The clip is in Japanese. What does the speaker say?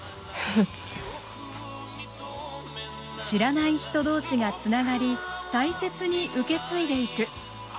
知らない人同士がつながり大切に受け継いでいく。